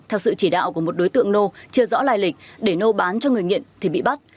theo sự chỉ đạo của một đối tượng nô chưa rõ lai lịch để nô bán cho người nghiện thì bị bắt